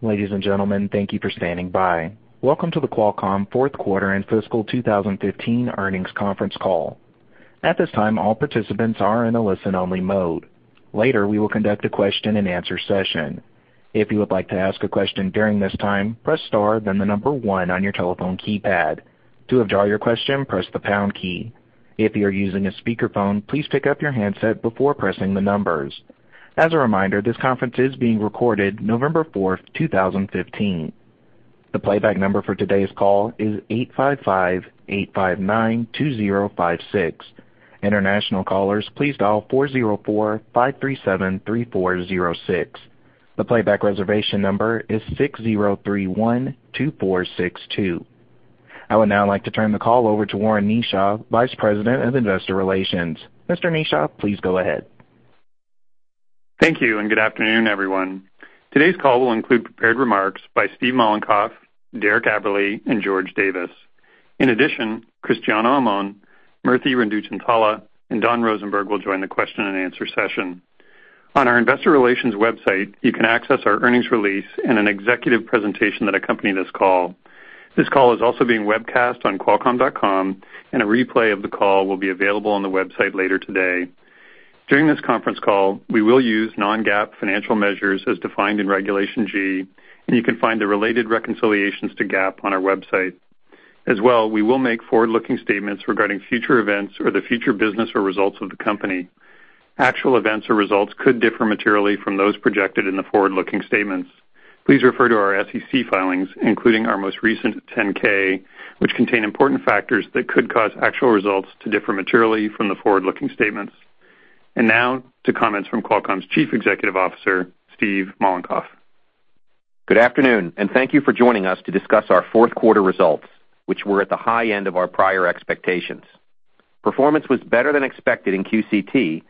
Ladies and gentlemen, thank thank you for standing by. Welcome to the Qualcomm fourth quarter and fiscal 2015 earnings conference call. At this time, all participants are in a listen-only mode. Later, we will conduct a question-and-answer session. If you would like to ask a question during this time, press star, then the number 1 on your telephone keypad. To withdraw your question, press the pound key. If you are using a speakerphone, please pick up your handset before pressing the numbers. As a reminder, this conference is being recorded November 4th, 2015. The playback number for today's call is 855-859-2056. International callers please dial 404-537-3406. The playback reservation number is 6031-2462. I would now like to turn the call over to Warren Kneeshaw, Vice President of Investor Relations. Mr. Kneeshaw, please go ahead. Thank you. Good afternoon, everyone. Today's call will include prepared remarks by Steve Mollenkopf, Derek Aberle, and George Davis. In addition, Cristiano Amon, Venkata Renduchintala, and Don Rosenberg will join the question-and-answer session. On our investor relations website, you can access our earnings release and an executive presentation that accompany this call. This call is also being webcast on qualcomm.com, and a replay of the call will be available on the website later today. During this conference call, we will use non-GAAP financial measures as defined in Regulation G, and you can find the related reconciliations to GAAP on our website. As well, we will make forward-looking statements regarding future events or the future business or results of the company. Actual events or results could differ materially from those projected in the forward-looking statements. Please refer to our SEC filings, including our most recent 10-K, which contain important factors that could cause actual results to differ materially from the forward-looking statements. Now to comments from Qualcomm's Chief Executive Officer, Steve Mollenkopf. Good afternoon. Thank you for joining us to discuss our fourth quarter results, which were at the high end of our prior expectations. Performance was better than expected in QCT,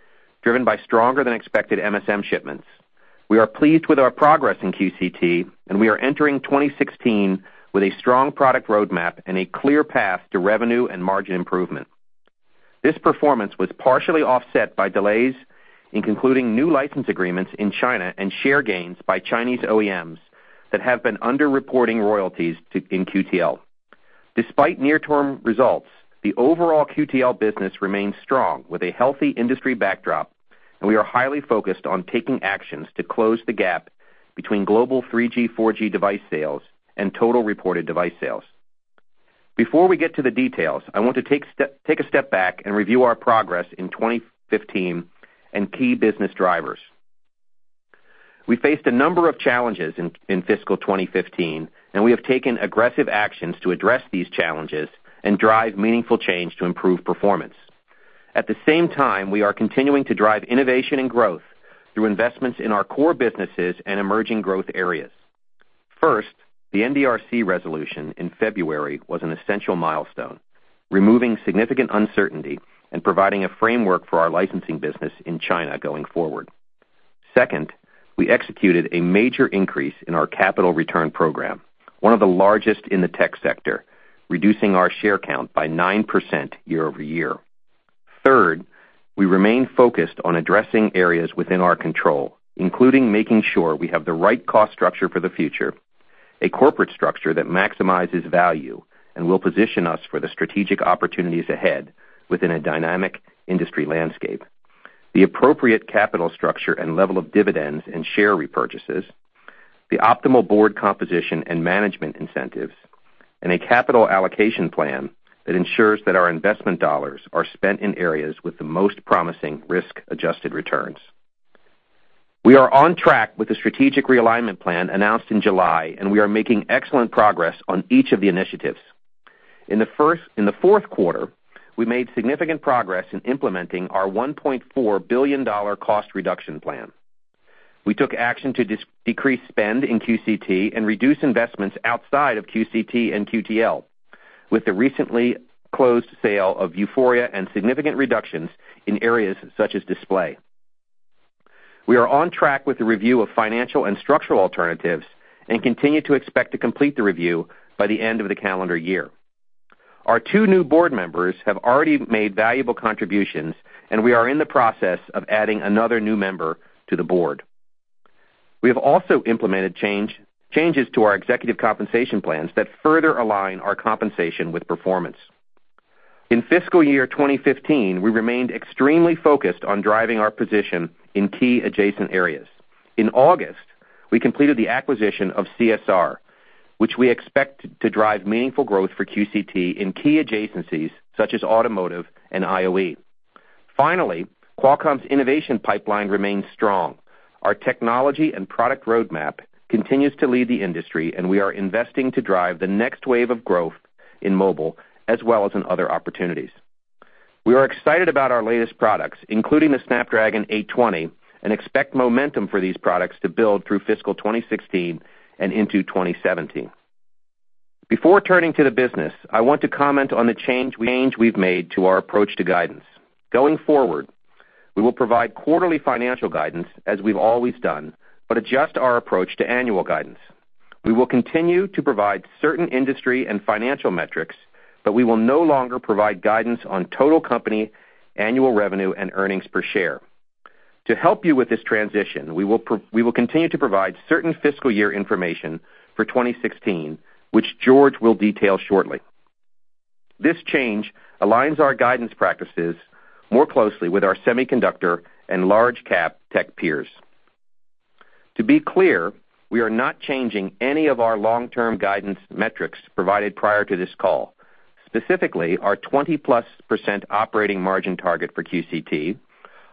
driven by stronger-than-expected MSM shipments. We are pleased with our progress in QCT, and we are entering 2016 with a strong product roadmap and a clear path to revenue and margin improvement. This performance was partially offset by delays in concluding new license agreements in China and share gains by Chinese OEMs that have been under-reporting royalties in QTL. Despite near-term results, the overall QTL business remains strong with a healthy industry backdrop, and we are highly focused on taking actions to close the gap between global 3G, 4G device sales and total reported device sales. Before we get to the details, I want to take a step back and review our progress in 2015 and key business drivers. We faced a number of challenges in fiscal 2015, and we have taken aggressive actions to address these challenges and drive meaningful change to improve performance. At the same time, we are continuing to drive innovation and growth through investments in our core businesses and emerging growth areas. First, the NDRC resolution in February was an essential milestone, removing significant uncertainty and providing a framework for our licensing business in China going forward. Second, we executed a major increase in our capital return program, one of the largest in the tech sector, reducing our share count by 9% year-over-year. Third, we remain focused on addressing areas within our control, including making sure we have the right cost structure for the future, a corporate structure that maximizes value and will position us for the strategic opportunities ahead within a dynamic industry landscape. The appropriate capital structure and level of dividends and share repurchases, the optimal board composition and management incentives, and a capital allocation plan that ensures that our investment dollars are spent in areas with the most promising risk-adjusted returns. We are on track with the strategic realignment plan announced in July, and we are making excellent progress on each of the initiatives. In the fourth quarter, we made significant progress in implementing our $1.4 billion cost reduction plan. We took action to decrease spend in QCT and reduce investments outside of QCT and QTL, with the recently closed sale of Vuforia and significant reductions in areas such as display. We are on track with the review of financial and structural alternatives and continue to expect to complete the review by the end of the calendar year. Our two new board members have already made valuable contributions, and we are in the process of adding another new member to the board. We have also implemented changes to our executive compensation plans that further align our compensation with performance. In fiscal year 2015, we remained extremely focused on driving our position in key adjacent areas. In August, we completed the acquisition of CSR, which we expect to drive meaningful growth for QCT in key adjacencies such as automotive and IoE. Finally, Qualcomm's innovation pipeline remains strong. Our technology and product roadmap continues to lead the industry, and we are investing to drive the next wave of growth in mobile as well as in other opportunities. We are excited about our latest products, including the Snapdragon 820, and expect momentum for these products to build through fiscal 2016 and into 2017. Before turning to the business, I want to comment on the change we've made to our approach to guidance. Going forward, we will provide quarterly financial guidance as we've always done, but adjust our approach to annual guidance. We will continue to provide certain industry and financial metrics, but we will no longer provide guidance on total company annual revenue and earnings per share. To help you with this transition, we will continue to provide certain fiscal year information for 2016, which George will detail shortly. This change aligns our guidance practices more closely with our semiconductor and large cap tech peers. To be clear, we are not changing any of our long-term guidance metrics provided prior to this call, specifically our 20-plus% operating margin target for QCT,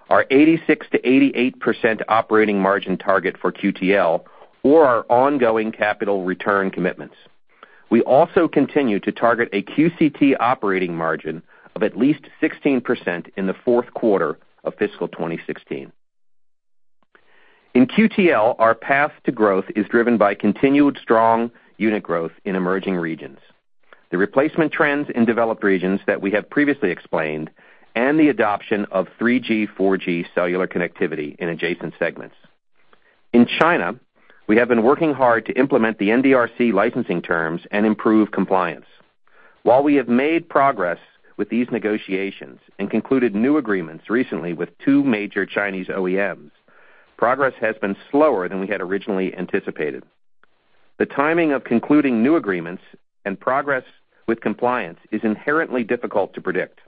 our 86%-88% operating margin target for QTL, or our ongoing capital return commitments. We also continue to target a QCT operating margin of at least 16% in the fourth quarter of fiscal 2016. In QTL, our path to growth is driven by continued strong unit growth in emerging regions. The replacement trends in developed regions that we have previously explained, and the adoption of 3G, 4G cellular connectivity in adjacent segments. In China, we have been working hard to implement the NDRC licensing terms and improve compliance. While we have made progress with these negotiations and concluded new agreements recently with two major Chinese OEMs, progress has been slower than we had originally anticipated. The timing of concluding new agreements and progress with compliance is inherently difficult to predict,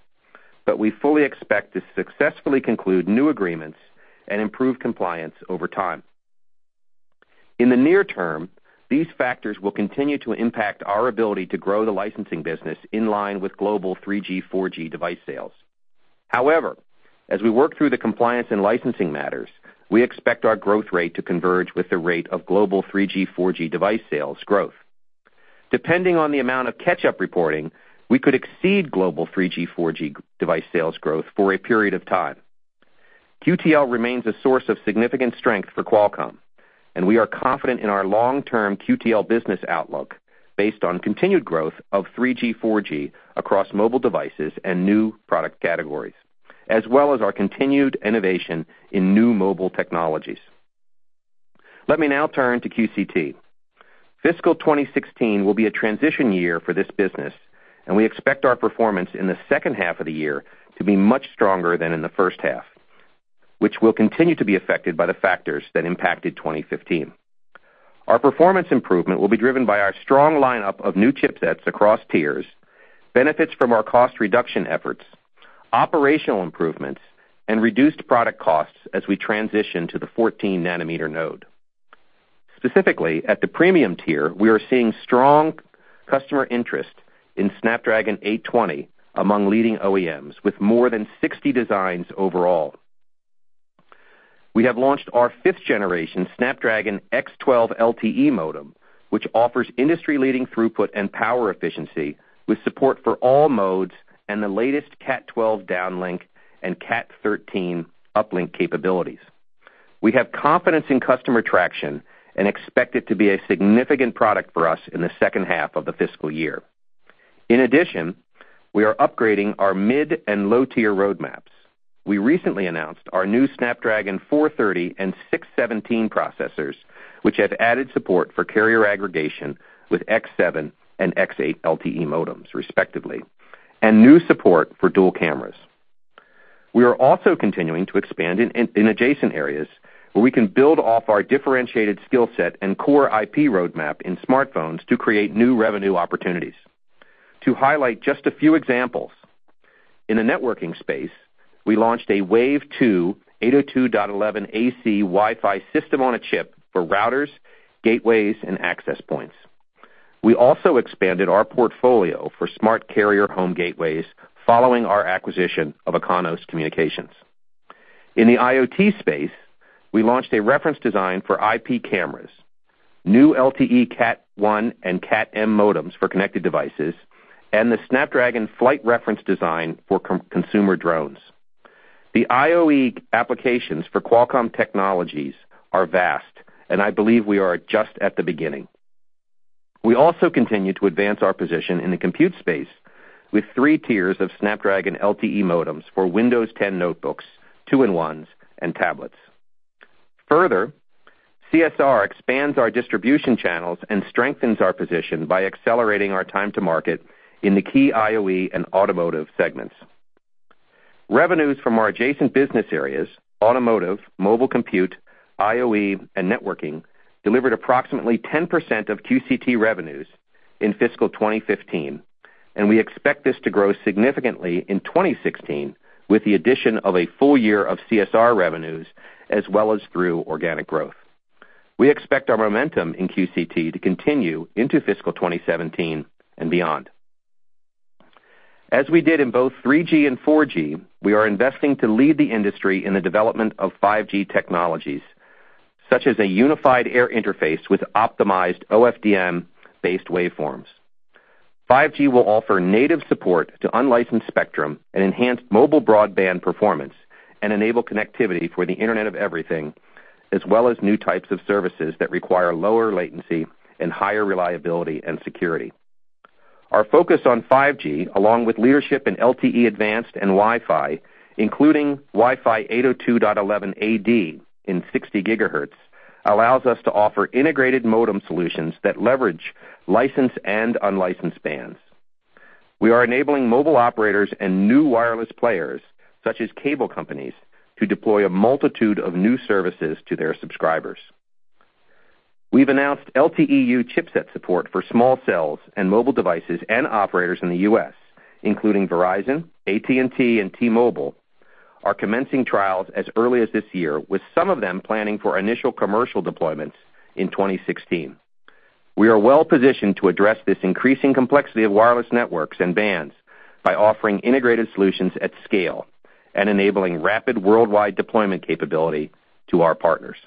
but we fully expect to successfully conclude new agreements and improve compliance over time. In the near term, these factors will continue to impact our ability to grow the licensing business in line with global 3G, 4G device sales. However, as we work through the compliance and licensing matters, we expect our growth rate to converge with the rate of global 3G, 4G device sales growth. Depending on the amount of catch-up reporting, we could exceed global 3G, 4G device sales growth for a period of time. QTL remains a source of significant strength for Qualcomm, and we are confident in our long-term QTL business outlook based on continued growth of 3G, 4G across mobile devices and new product categories, as well as our continued innovation in new mobile technologies. Let me now turn to QCT. Fiscal 2016 will be a transition year for this business, and we expect our performance in the second half of the year to be much stronger than in the first half, which will continue to be affected by the factors that impacted 2015. Our performance improvement will be driven by our strong lineup of new chipsets across tiers, benefits from our cost reduction efforts, operational improvements, and reduced product costs as we transition to the 14 nanometer node. Specifically, at the premium tier, we are seeing strong customer interest in Snapdragon 820 among leading OEMs with more than 60 designs overall. We have launched our fifth generation Snapdragon X12 LTE modem, which offers industry-leading throughput and power efficiency with support for all modes and the latest Cat 12 downlink and Cat 13 uplink capabilities. We have confidence in customer traction and expect it to be a significant product for us in the second half of the fiscal year. In addition, we are upgrading our mid and low-tier roadmaps. We recently announced our new Snapdragon 430 and 617 processors, which have added support for carrier aggregation with X7 and X8 LTE modems, respectively, and new support for dual cameras. We are also continuing to expand in adjacent areas where we can build off our differentiated skill set and core IP roadmap in smartphones to create new revenue opportunities. To highlight just a few examples, in the networking space, we launched a Wave 2 802.11ac Wi-Fi system on a chip for routers, gateways, and access points. We also expanded our portfolio for smart carrier home gateways following our acquisition of Ikanos Communications. In the IoT space, we launched a reference design for IP cameras, new LTE Cat 1 and Cat M modems for connected devices, and the Snapdragon Flight reference design for consumer drones. The IoE applications for Qualcomm technologies are vast, and I believe we are just at the beginning. We also continue to advance our position in the compute space with three tiers of Snapdragon LTE modems for Windows 10 notebooks, two-in-ones, and tablets. CSR expands our distribution channels and strengthens our position by accelerating our time to market in the key IoE and automotive segments. Revenues from our adjacent business areas, automotive, mobile compute, IoE, and networking, delivered approximately 10% of QCT revenues in fiscal 2015, and we expect this to grow significantly in 2016 with the addition of a full year of CSR revenues as well as through organic growth. We expect our momentum in QCT to continue into fiscal 2017 and beyond. As we did in both 3G and 4G, we are investing to lead the industry in the development of 5G technologies, such as a unified air interface with optimized OFDM-based waveforms. 5G will offer native support to unlicensed spectrum and enhance mobile broadband performance and enable connectivity for the Internet of Everything, as well as new types of services that require lower latency and higher reliability and security. Our focus on 5G, along with leadership in LTE Advanced and Wi-Fi, including Wi-Fi 802.11ad in 60 GHz, allows us to offer integrated modem solutions that leverage licensed and unlicensed bands. We are enabling mobile operators and new wireless players, such as cable companies, to deploy a multitude of new services to their subscribers. We've announced LTE-U chipset support for small cells and mobile devices and operators in the U.S., including Verizon, AT&T, and T-Mobile are commencing trials as early as this year, with some of them planning for initial commercial deployments in 2016. We are well positioned to address this increasing complexity of wireless networks and bands by offering integrated solutions at scale and enabling rapid worldwide deployment capability to our partners.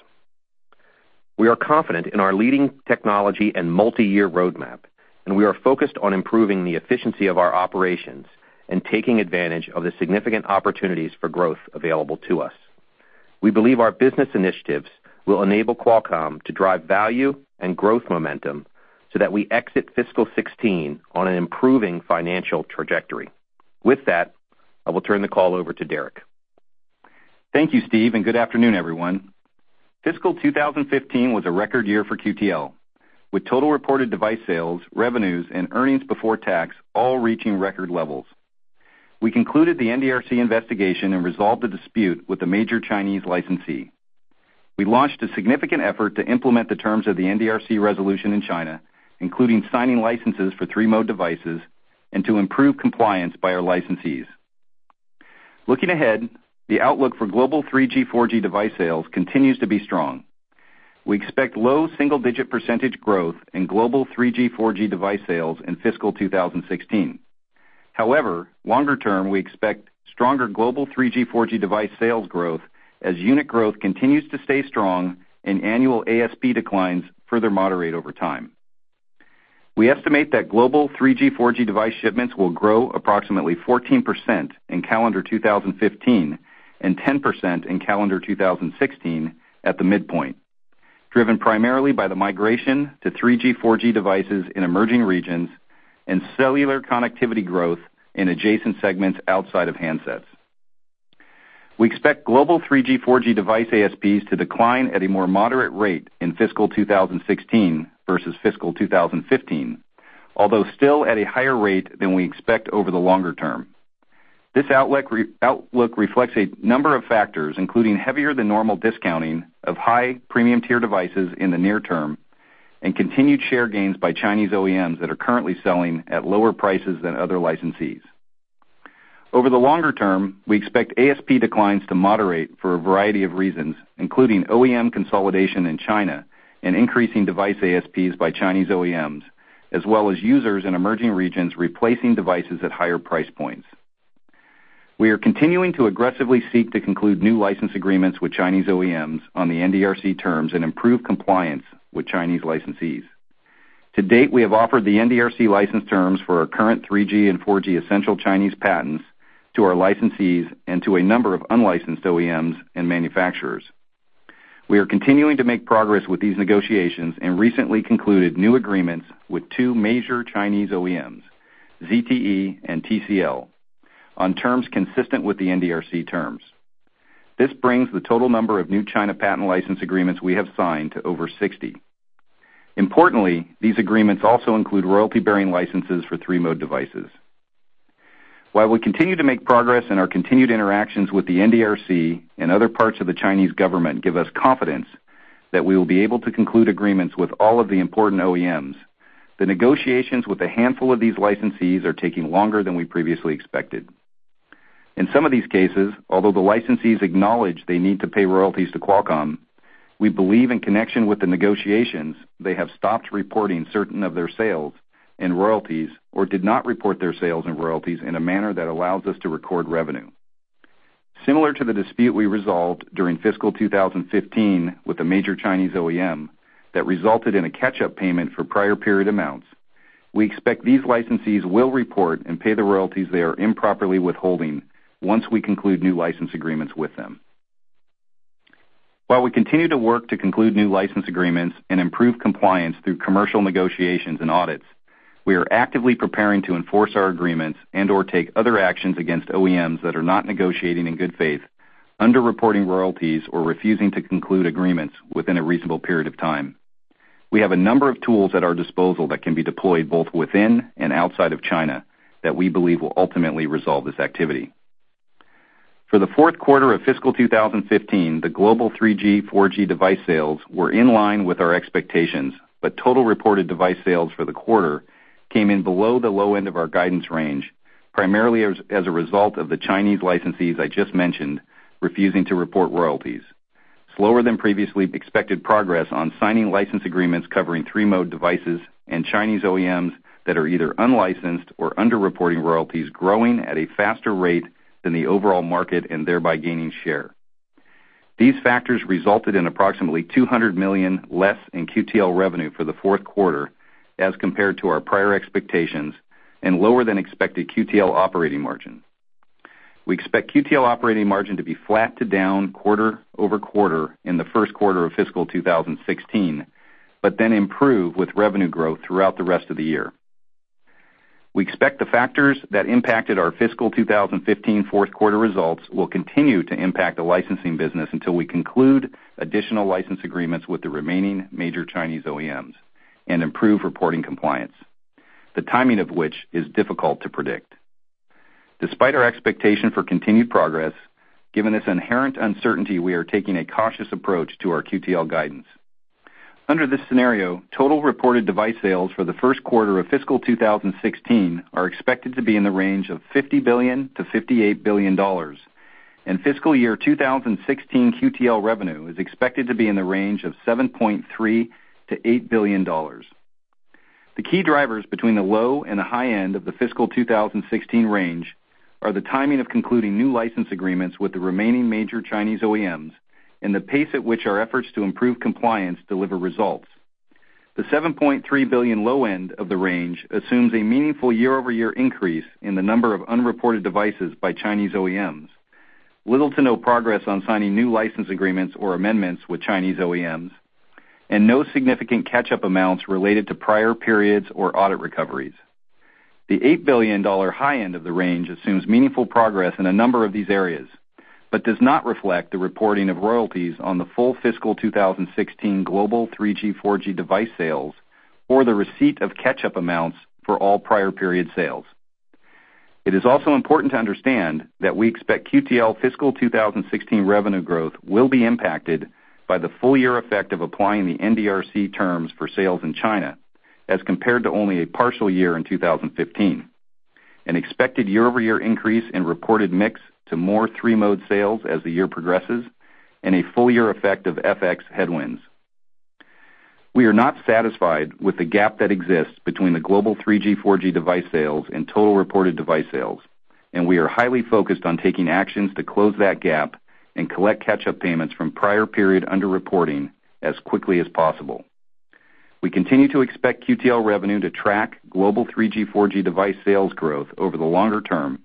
We are confident in our leading technology and multi-year roadmap, and we are focused on improving the efficiency of our operations and taking advantage of the significant opportunities for growth available to us. We believe our business initiatives will enable Qualcomm to drive value and growth momentum so that we exit fiscal 2016 on an improving financial trajectory. With that, I will turn the call over to Derek. Thank you, Steve, and good afternoon, everyone. Fiscal 2015 was a record year for QTL, with total reported device sales, revenues, and earnings before tax, all reaching record levels. We concluded the NDRC investigation and resolved the dispute with a major Chinese licensee. We launched a significant effort to implement the terms of the NDRC resolution in China, including signing licenses for three-mode devices and to improve compliance by our licensees. Looking ahead, the outlook for global 3G, 4G device sales continues to be strong. We expect low single-digit % growth in global 3G, 4G device sales in fiscal 2016. Longer term, we expect stronger global 3G, 4G device sales growth as unit growth continues to stay strong and annual ASP declines further moderate over time. We estimate that global 3G, 4G device shipments will grow approximately 14% in calendar 2015 and 10% in calendar 2016 at the midpoint, driven primarily by the migration to 3G, 4G devices in emerging regions and cellular connectivity growth in adjacent segments outside of handsets. We expect global 3G, 4G device ASPs to decline at a more moderate rate in fiscal 2016 versus fiscal 2015, although still at a higher rate than we expect over the longer term. This outlook reflects a number of factors, including heavier than normal discounting of high premium-tier devices in the near term and continued share gains by Chinese OEMs that are currently selling at lower prices than other licensees. Over the longer term, we expect ASP declines to moderate for a variety of reasons, including OEM consolidation in China and increasing device ASPs by Chinese OEMs, as well as users in emerging regions replacing devices at higher price points. We are continuing to aggressively seek to conclude new license agreements with Chinese OEMs on the NDRC terms and improve compliance with Chinese licensees. To date, we have offered the NDRC license terms for our current 3G and 4G essential Chinese patents to our licensees and to a number of unlicensed OEMs and manufacturers. We are continuing to make progress with these negotiations and recently concluded new agreements with two major Chinese OEMs, ZTE and TCL, on terms consistent with the NDRC terms. This brings the total number of new China patent license agreements we have signed to over 60. Importantly, these agreements also include royalty-bearing licenses for three-mode devices. While we continue to make progress and our continued interactions with the NDRC and other parts of the Chinese government give us confidence that we will be able to conclude agreements with all of the important OEMs, the negotiations with a handful of these licensees are taking longer than we previously expected. In some of these cases, although the licensees acknowledge they need to pay royalties to Qualcomm, we believe in connection with the negotiations, they have stopped reporting certain of their sales and royalties or did not report their sales and royalties in a manner that allows us to record revenue. Similar to the dispute we resolved during fiscal 2015 with a major Chinese OEM that resulted in a catch-up payment for prior period amounts, we expect these licensees will report and pay the royalties they are improperly withholding once we conclude new license agreements with them. While we continue to work to conclude new license agreements and improve compliance through commercial negotiations and audits, we are actively preparing to enforce our agreements and/or take other actions against OEMs that are not negotiating in good faith, under-reporting royalties or refusing to conclude agreements within a reasonable period of time. We have a number of tools at our disposal that can be deployed both within and outside of China that we believe will ultimately resolve this activity. For the fourth quarter of fiscal 2015, the global 3G, 4G device sales were in line with our expectations, but total reported device sales for the quarter came in below the low end of our guidance range, primarily as a result of the Chinese licensees I just mentioned refusing to report royalties. Slower than previously expected progress on signing license agreements covering three-mode devices and Chinese OEMs that are either unlicensed or under-reporting royalties growing at a faster rate than the overall market and thereby gaining share. These factors resulted in approximately $200 million less in QTL revenue for the fourth quarter as compared to our prior expectations and lower than expected QTL operating margin. We expect QTL operating margin to be flat to down quarter-over-quarter in the first quarter of fiscal 2016, but then improve with revenue growth throughout the rest of the year. We expect the factors that impacted our fiscal 2015 fourth quarter results will continue to impact the licensing business until we conclude additional license agreements with the remaining major Chinese OEMs and improve reporting compliance, the timing of which is difficult to predict. Despite our expectation for continued progress, given this inherent uncertainty, we are taking a cautious approach to our QTL guidance. Under this scenario, total reported device sales for the first quarter of fiscal 2016 are expected to be in the range of $50 billion-$58 billion. In fiscal year 2016, QTL revenue is expected to be in the range of $7.3 billion-$8 billion. The key drivers between the low and the high end of the fiscal 2016 range are the timing of concluding new license agreements with the remaining major Chinese OEMs and the pace at which our efforts to improve compliance deliver results. The $7.3 billion low end of the range assumes a meaningful year-over-year increase in the number of unreported devices by Chinese OEMs, little to no progress on signing new license agreements or amendments with Chinese OEMs, and no significant catch-up amounts related to prior periods or audit recoveries. The $8 billion high end of the range assumes meaningful progress in a number of these areas but does not reflect the reporting of royalties on the full fiscal 2016 global 3G, 4G device sales or the receipt of catch-up amounts for all prior period sales. It is also important to understand that we expect QTL fiscal 2016 revenue growth will be impacted by the full-year effect of applying the NDRC terms for sales in China as compared to only a partial year in 2015. An expected year-over-year increase in reported mix to more three-mode sales as the year progresses and a full-year effect of FX headwinds. We are not satisfied with the gap that exists between the global 3G, 4G device sales and total reported device sales, and we are highly focused on taking actions to close that gap and collect catch-up payments from prior period under-reporting as quickly as possible. We continue to expect QTL revenue to track global 3G, 4G device sales growth over the longer term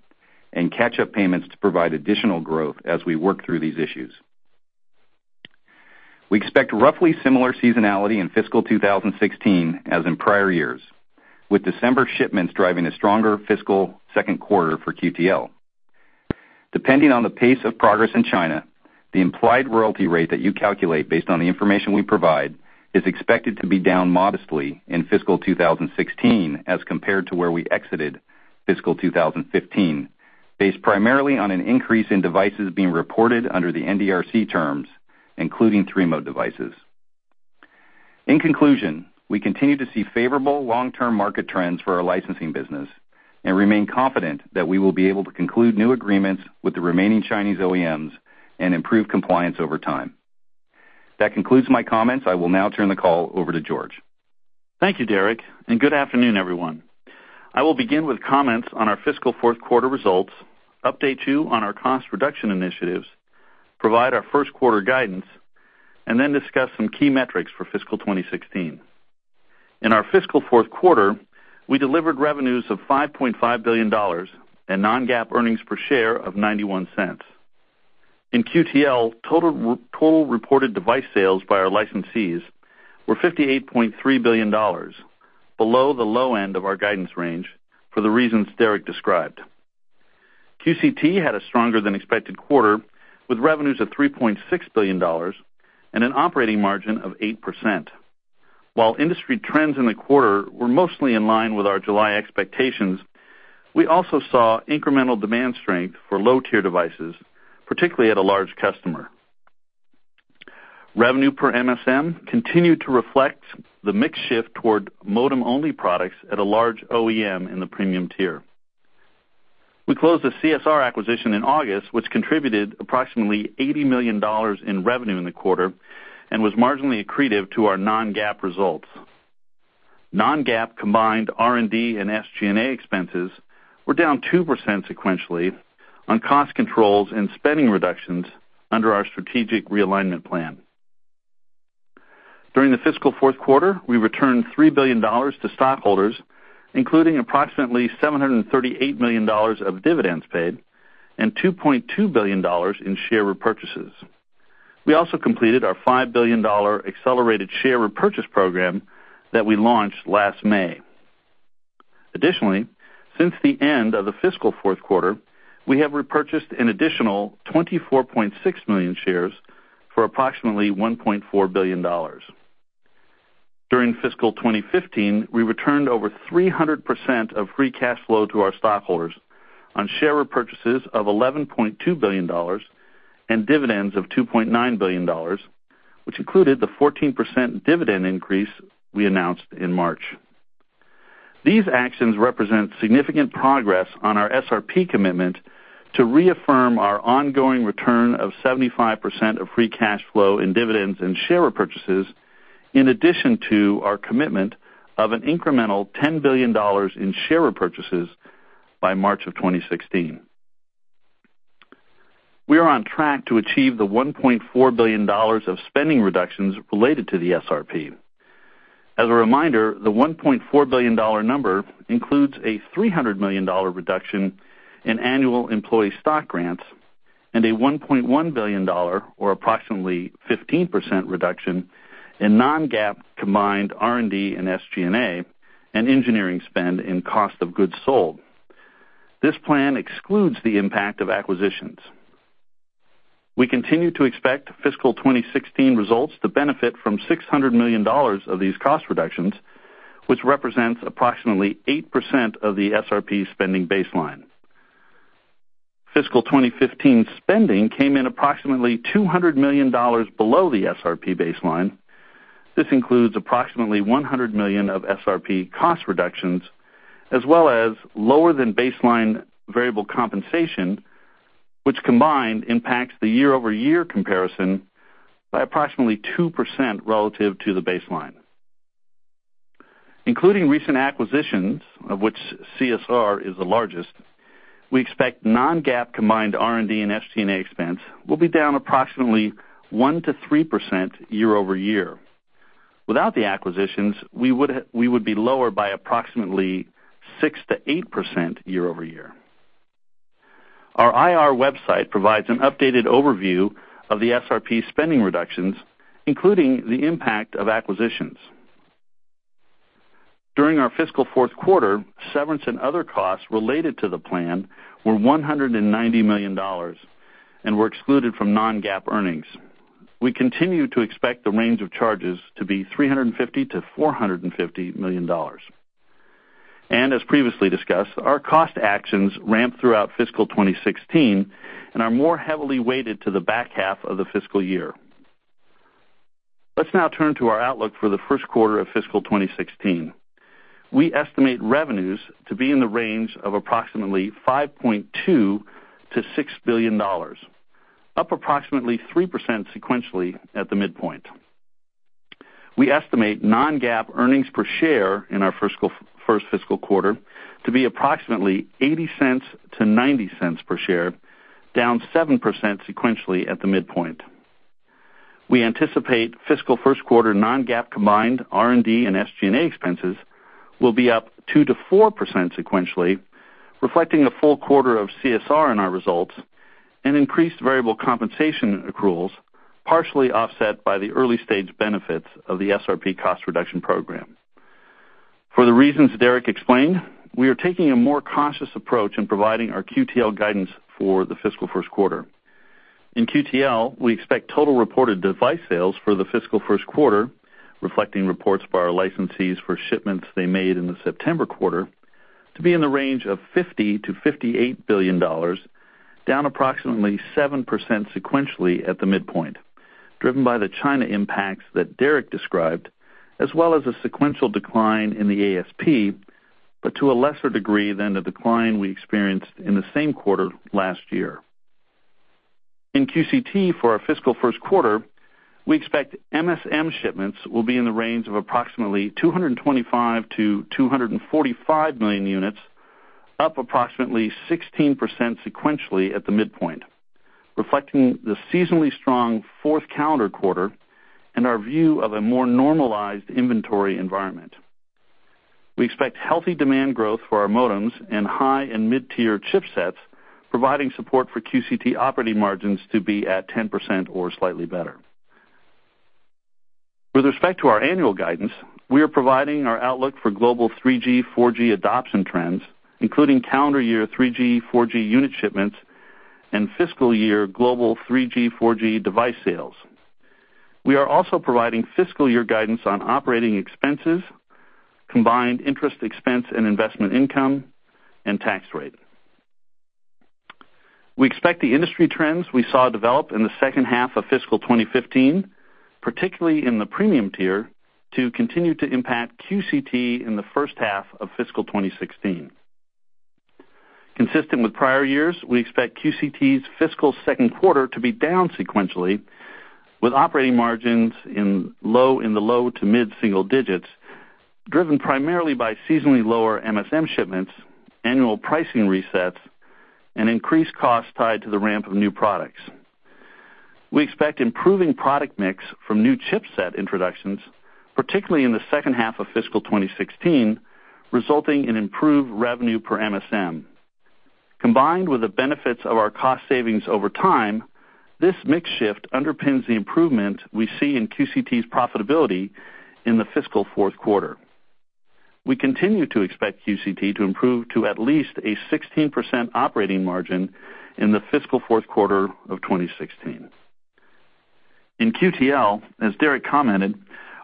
and catch-up payments to provide additional growth as we work through these issues. We expect roughly similar seasonality in fiscal 2016 as in prior years, with December shipments driving a stronger fiscal second quarter for QTL. Depending on the pace of progress in China, the implied royalty rate that you calculate based on the information we provide is expected to be down modestly in fiscal 2016 as compared to where we exited fiscal 2015, based primarily on an increase in devices being reported under the NDRC terms, including three-mode devices. In conclusion, we continue to see favorable long-term market trends for our licensing business and remain confident that we will be able to conclude new agreements with the remaining Chinese OEMs and improve compliance over time. That concludes my comments. I will now turn the call over to George. Thank you, Derek. Good afternoon, everyone. I will begin with comments on our fiscal fourth quarter results, update you on our cost reduction initiatives, provide our first quarter guidance, then discuss some key metrics for fiscal 2016. In our fiscal fourth quarter, we delivered revenues of $5.5 billion and non-GAAP earnings per share of $0.91. In QTL, total reported device sales by our licensees were $58.3 billion, below the low end of our guidance range for the reasons Derek described. QCT had a stronger-than-expected quarter, with revenues of $3.6 billion and an operating margin of 8%. While industry trends in the quarter were mostly in line with our July expectations, we also saw incremental demand strength for low-tier devices, particularly at a large customer. Revenue per MSM continued to reflect the mix shift toward modem-only products at a large OEM in the premium tier. We closed the CSR acquisition in August, which contributed approximately $80 million in revenue in the quarter and was marginally accretive to our non-GAAP results. Non-GAAP combined R&D and SG&A expenses were down 2% sequentially on cost controls and spending reductions under our strategic realignment plan. During the fiscal fourth quarter, we returned $3 billion to stockholders, including approximately $738 million of dividends paid and $2.2 billion in share repurchases. We also completed our $5 billion accelerated share repurchase program that we launched last May. Additionally, since the end of the fiscal fourth quarter, we have repurchased an additional 24.6 million shares for approximately $1.4 billion. During fiscal 2015, we returned over 300% of free cash flow to our stockholders on share repurchases of $11.2 billion and dividends of $2.9 billion, which included the 14% dividend increase we announced in March. These actions represent significant progress on our SRP commitment to reaffirm our ongoing return of 75% of free cash flow in dividends and share repurchases, in addition to our commitment of an incremental $10 billion in share repurchases by March of 2016. We are on track to achieve the $1.4 billion of spending reductions related to the SRP. As a reminder, the $1.4 billion number includes a $300 million reduction in annual employee stock grants and a $1.1 billion, or approximately 15% reduction in non-GAAP combined R&D and SG&A and engineering spend in cost of goods sold. This plan excludes the impact of acquisitions. We continue to expect fiscal 2016 results to benefit from $600 million of these cost reductions, which represents approximately 8% of the SRP spending baseline. Fiscal 2015 spending came in approximately $200 million below the SRP baseline. This includes approximately $100 million of SRP cost reductions, as well as lower than baseline variable compensation, which combined impacts the year-over-year comparison by approximately 2% relative to the baseline. Including recent acquisitions, of which CSR is the largest, we expect non-GAAP combined R&D and SG&A expense will be down approximately 1%-3% year-over-year. Without the acquisitions, we would be lower by approximately 6%-8% year-over-year. Our IR website provides an updated overview of the SRP spending reductions, including the impact of acquisitions. During our fiscal fourth quarter, severance and other costs related to the plan were $190 million and were excluded from non-GAAP earnings. We continue to expect the range of charges to be $350 million-$450 million. As previously discussed, our cost actions ramped throughout fiscal 2016 and are more heavily weighted to the back half of the fiscal year. Let's now turn to our outlook for the first quarter of fiscal 2016. We estimate revenues to be in the range of approximately $5.2 billion-$6 billion, up approximately 3% sequentially at the midpoint. We estimate non-GAAP earnings per share in our first fiscal quarter to be approximately $0.80-$0.90 per share, down 7% sequentially at the midpoint. We anticipate fiscal first quarter non-GAAP combined R&D and SG&A expenses will be up 2%-4% sequentially, reflecting a full quarter of CSR in our results and increased variable compensation accruals, partially offset by the early-stage benefits of the SRP cost reduction program. For the reasons Derek explained, we are taking a more cautious approach in providing our QTL guidance for the fiscal first quarter. In QTL, we expect total reported device sales for the fiscal first quarter, reflecting reports by our licensees for shipments they made in the September quarter, to be in the range of $50 billion-$58 billion, down approximately 7% sequentially at the midpoint, driven by the China impacts that Derek described, as well as a sequential decline in the ASP, but to a lesser degree than the decline we experienced in the same quarter last year. In QCT for our fiscal first quarter, we expect MSM shipments will be in the range of approximately 225 million-245 million units, up approximately 16% sequentially at the midpoint, reflecting the seasonally strong fourth calendar quarter and our view of a more normalized inventory environment. We expect healthy demand growth for our modems and high and mid-tier chipsets, providing support for QCT operating margins to be at 10% or slightly better. With respect to our annual guidance, we are providing our outlook for global 3G, 4G adoption trends, including calendar year 3G, 4G unit shipments and fiscal year global 3G, 4G device sales. We are also providing fiscal year guidance on operating expenses, combined interest expense and investment income, and tax rate. We expect the industry trends we saw develop in the second half of fiscal 2015, particularly in the premium tier, to continue to impact QCT in the first half of fiscal 2016. Consistent with prior years, we expect QCT's fiscal second quarter to be down sequentially with operating margins in the low to mid-single digits, driven primarily by seasonally lower MSM shipments, annual pricing resets, and increased costs tied to the ramp of new products. We expect improving product mix from new chipset introductions, particularly in the second half of fiscal 2016, resulting in improved revenue per MSM. Combined with the benefits of our cost savings over time, this mix shift underpins the improvement we see in QCT's profitability in the fiscal fourth quarter. We continue to expect QCT to improve to at least a 16% operating margin in the fiscal fourth quarter of 2016. In QTL, as Derek commented,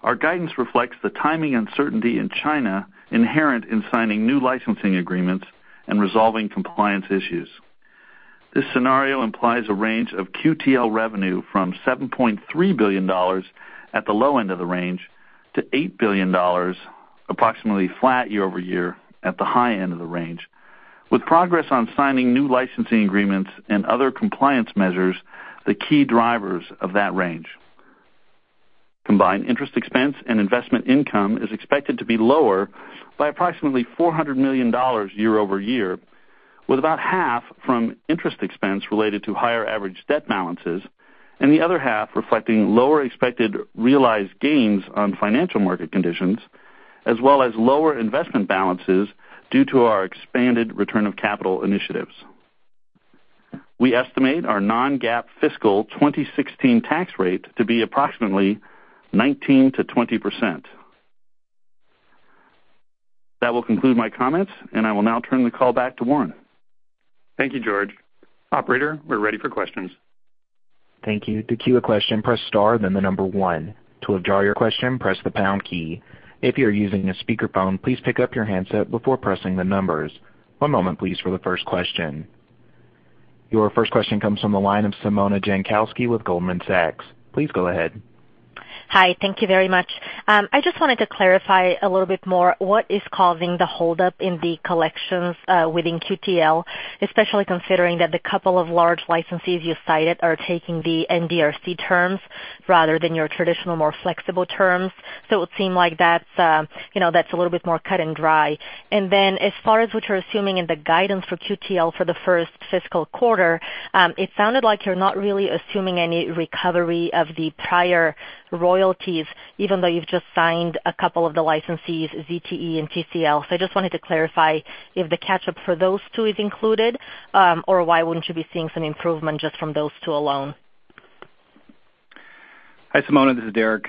our guidance reflects the timing uncertainty in China inherent in signing new licensing agreements and resolving compliance issues. This scenario implies a range of QTL revenue from $7.3 billion at the low end of the range to $8 billion, approximately flat year-over-year at the high end of the range. With progress on signing new licensing agreements and other compliance measures, the key drivers of that range. Combined interest expense and investment income is expected to be lower by approximately $400 million year-over-year, with about half from interest expense related to higher average debt balances and the other half reflecting lower expected realized gains on financial market conditions, as well as lower investment balances due to our expanded return of capital initiatives. We estimate our non-GAAP fiscal 2016 tax rate to be approximately 19%-20%. That will conclude my comments, and I will now turn the call back to Warren. Thank you, George. Operator, we're ready for questions. Thank you. To queue a question, press star, then number 1. To withdraw your question, press the pound key. If you're using a speakerphone, please pick up your handset before pressing the numbers. One moment, please, for the first question. Your first question comes from the line of Simona Jankowski with Goldman Sachs. Please go ahead. Hi. Thank you very much. I just wanted to clarify a little bit more what is causing the hold-up in the collections within QTL, especially considering that the couple of large licensees you cited are taking the NDRC terms rather than your traditional, more flexible terms. It would seem like that's a little bit more cut and dry. As far as what you're assuming in the guidance for QTL for the first fiscal quarter, it sounded like you're not really assuming any recovery of the prior royalties, even though you've just signed a couple of the licensees, ZTE and TCL. I just wanted to clarify if the catch-up for those two is included, or why wouldn't you be seeing some improvement just from those two alone? Hi, Simona. This is Derek.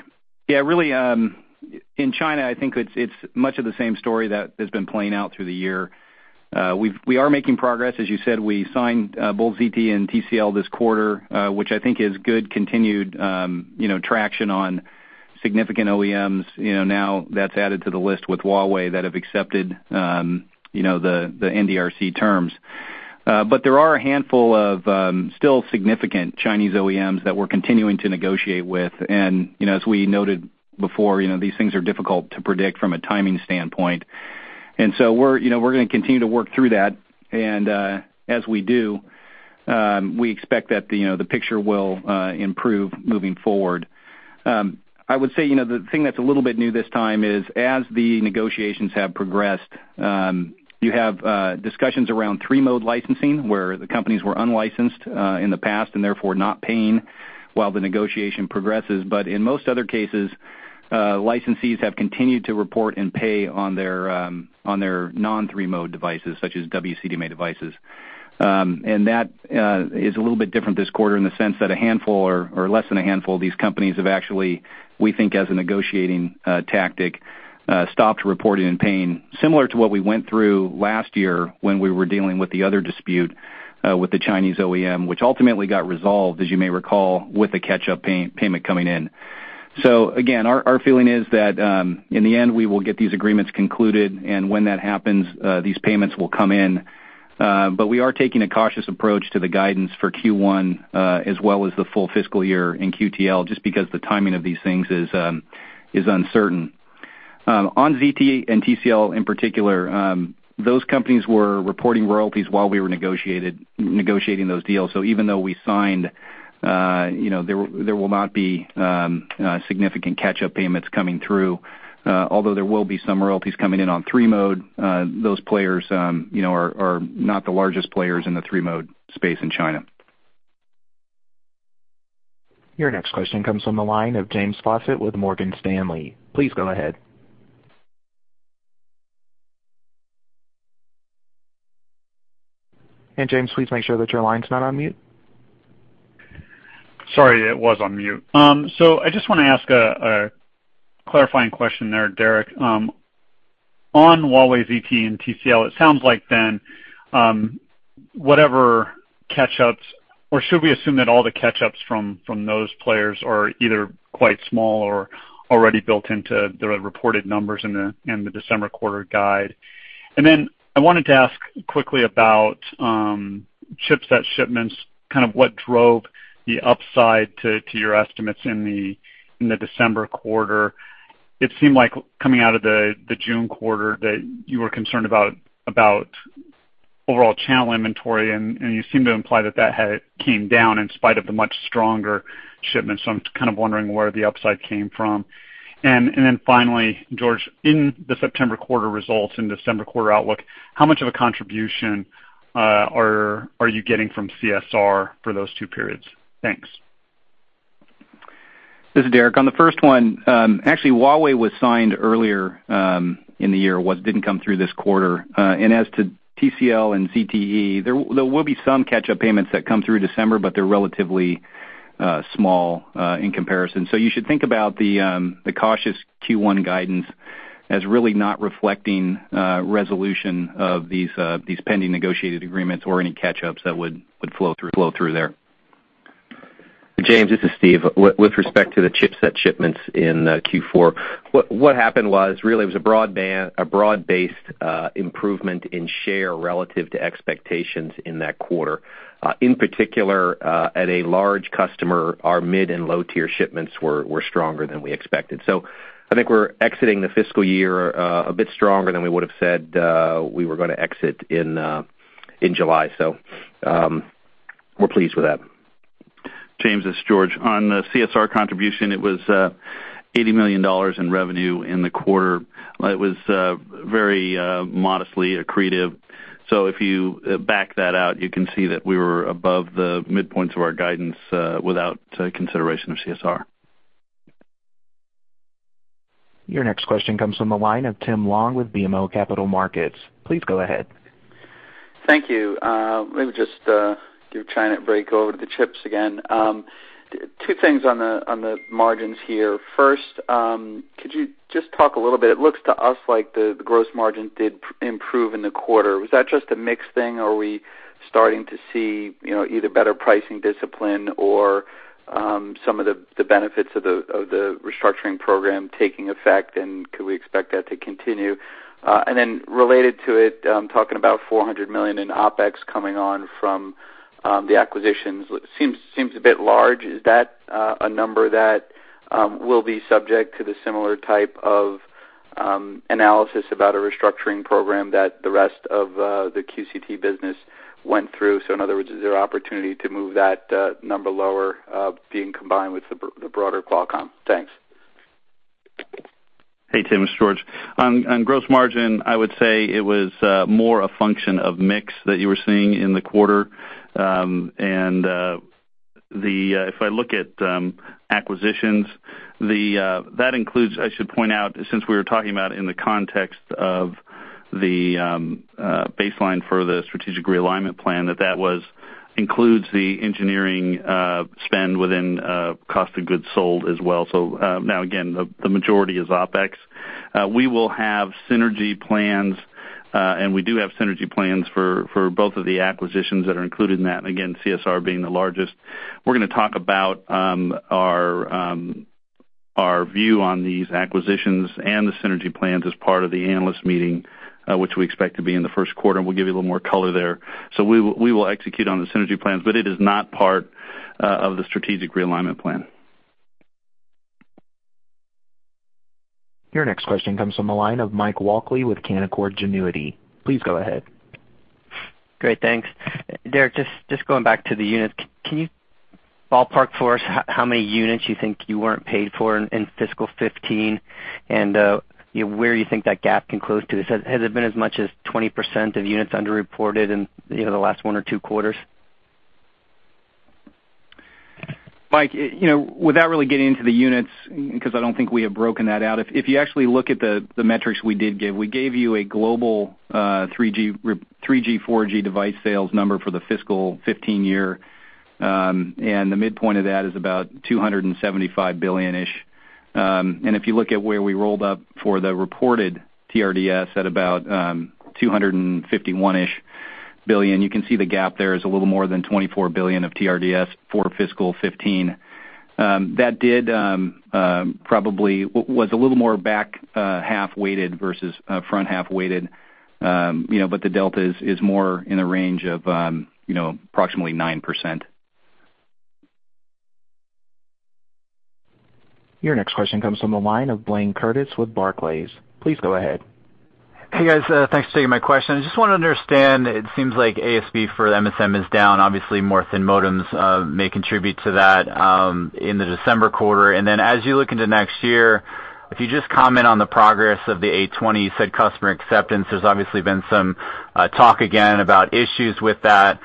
Really, in China, I think it's much of the same story that has been playing out through the year. We are making progress. As you said, we signed both ZTE and TCL this quarter, which I think is good continued traction on significant OEMs. That's added to the list with Huawei that have accepted the NDRC terms. There are a handful of still significant Chinese OEMs that we're continuing to negotiate with. As we noted before, these things are difficult to predict from a timing standpoint. We're going to continue to work through that, and as we do, we expect that the picture will improve moving forward. I would say, the thing that's a little bit new this time is as the negotiations have progressed, you have discussions around three-mode licensing, where the companies were unlicensed in the past and therefore not paying while the negotiation progresses. In most other cases, licensees have continued to report and pay on their non-three-mode devices, such as WCDMA devices. That is a little bit different this quarter in the sense that a handful or less than a handful of these companies have actually, we think as a negotiating tactic, stopped reporting and paying, similar to what we went through last year when we were dealing with the other dispute with the Chinese OEM, which ultimately got resolved, as you may recall, with a catch-up payment coming in. Again, our feeling is that in the end, we will get these agreements concluded, and when that happens, these payments will come in. We are taking a cautious approach to the guidance for Q1 as well as the full fiscal year in QTL, just because the timing of these things is uncertain. On ZTE and TCL in particular, those companies were reporting royalties while we were negotiating those deals. Even though we signed, there will not be significant catch-up payments coming through. Although there will be some royalties coming in on three mode. Those players are not the largest players in the three-mode space in China. Your next question comes from the line of James Faucette with Morgan Stanley. Please go ahead. James, please make sure that your line's not on mute. Sorry, it was on mute. I just want to ask a clarifying question there, Derek. On Huawei, ZTE, and TCL, it sounds like then whatever catch-ups, or should we assume that all the catch-ups from those players are either quite small or already built into the reported numbers in the December quarter guide? Then I wanted to ask quickly about chipset shipments, kind of what drove the upside to your estimates in the December quarter. It seemed like coming out of the June quarter that you were concerned about overall channel inventory, and you seem to imply that that had came down in spite of the much stronger shipments. I'm kind of wondering where the upside came from. Then finally, George, in the September quarter results and December quarter outlook, how much of a contribution are you getting from CSR for those two periods? Thanks. This is Derek. On the first one, actually Huawei was signed earlier in the year, but didn't come through this quarter. As to TCL and ZTE, there will be some catch-up payments that come through December, but they're relatively small in comparison. You should think about the cautious Q1 guidance as really not reflecting resolution of these pending negotiated agreements or any catch-ups that would flow through there. James, this is Steve. With respect to the chipset shipments in Q4, what happened was really it was a broad-based improvement in share relative to expectations in that quarter. In particular, at a large customer, our mid and low-tier shipments were stronger than we expected. I think we're exiting the fiscal year a bit stronger than we would've said we were going to exit in July. We're pleased with that. James, it's George. On the CSR contribution, it was $80 million in revenue in the quarter. It was very modestly accretive. If you back that out, you can see that we were above the midpoint of our guidance without consideration of CSR. Your next question comes from the line of Tim Long with BMO Capital Markets. Please go ahead. Thank you. Let me just do trying to break over the chips again. Two things on the margins here. First, could you just talk a little bit, it looks to us like the gross margin did improve in the quarter. Was that just a mix thing? Are we starting to see either better pricing discipline or some of the benefits of the restructuring program taking effect, and could we expect that to continue? Related to it, talking about $400 million in OpEx coming on from the acquisitions, seems a bit large. Is that a number that will be subject to the similar type of analysis about a restructuring program that the rest of the QCT business went through? In other words, is there opportunity to move that number lower, being combined with the broader Qualcomm? Thanks. Hey, Tim, it's George. On gross margin, I would say it was more a function of mix that you were seeing in the quarter. If I look at acquisitions, that includes, I should point out, since we were talking about in the context of the baseline for the Strategic Realignment Plan, that that includes the engineering spend within cost of goods sold as well. Now, again, the majority is OpEx. We will have synergy plans, and we do have synergy plans for both of the acquisitions that are included in that, again, CSR being the largest. We're going to talk about our view on these acquisitions and the synergy plans as part of the analyst meeting, which we expect to be in the first quarter, and we'll give you a little more color there. We will execute on the synergy plans, but it is not part of the Strategic Realignment Plan. Your next question comes from the line of Michael Walkley with Canaccord Genuity. Please go ahead. Great, thanks. Derek, just going back to the units. Can you ballpark for us how many units you think you weren't paid for in fiscal 2015 and where you think that gap can close to? Has it been as much as 20% of units under-reported in the last one or two quarters? Mike Walkley, without really getting into the units, because I don't think we have broken that out, if you actually look at the metrics we did give, we gave you a global 3G, 4G device sales number for the fiscal 2015 year, and the midpoint of that is about $275 billion-ish. If you look at where we rolled up for the reported TRDS at about $251 billion-ish, you can see the gap there is a little more than $24 billion of TRDS for fiscal 2015. That probably was a little more back half weighted versus front half weighted, but the delta is more in the range of approximately 9%. Your next question comes from the line of Blayne Curtis with Barclays. Please go ahead. Hey, guys. Thanks for taking my question. I just want to understand, it seems like ASP for MSM is down. Obviously, more thin modems may contribute to that in the December quarter. As you look into next year, if you just comment on the progress of the Snapdragon 820, you said customer acceptance, there's obviously been some talk again about issues with that.